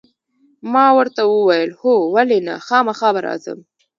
ما ورته وویل: هو، ولې نه، خامخا به راځم.